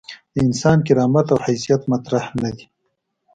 د انسان کرامت او حیثیت مطرح نه دي.